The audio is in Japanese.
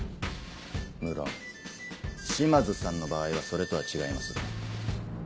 無論島津さんの場合はそれとは違いますが。